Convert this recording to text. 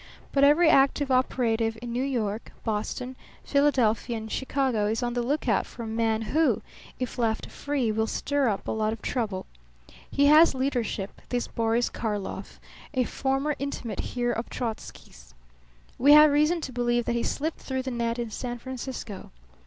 But every active operative in New York, Boston, Philadelphia, and Chicago is on the lookout for a man who, if left free, will stir up a lot of trouble. He has leadership, this Boris Karlov, a former intimate here of Trotzky's. We have reason to believe that he slipped through the net in San Francisco.